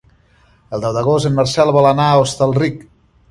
El deu d'agost en Marcel vol anar a Hostalric.